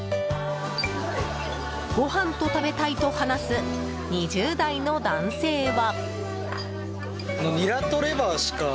ご飯と食べたい！と話す２０代の男性は。